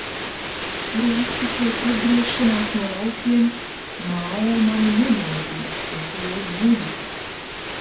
Rīti pēc atgriešanās no laukiem – Mao mani nemodina – es ilgi guļu.